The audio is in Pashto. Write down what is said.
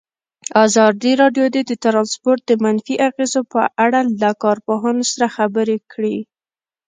ازادي راډیو د ترانسپورټ د منفي اغېزو په اړه له کارپوهانو سره خبرې کړي.